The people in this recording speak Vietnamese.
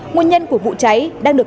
nguyên nhân của vụ cháy đang được